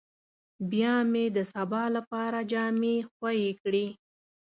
بيا مې د سبا لپاره جامې خويې کړې.